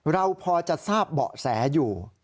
เราพอจะทราบเบาะแสอยู่